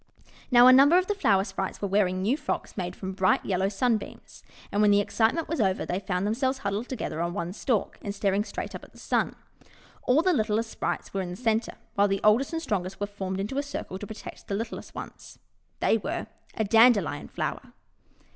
Now, a number of the Flower Sprites were wearing new frocks made of bright yellow Sun beams. And when the excitement was over they found themselves huddled together on one stalk and staring straight up at the Sun. All the littlest Sprites were in the centre, while the oldest and strongest were formed into a circle to pro tect the littlest ones. They were a Dandelion Flower!